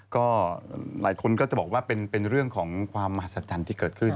ก็หลายคนก็จะบอกว่าเป็นเรื่องของความมหัศจรรย์ที่เกิดขึ้น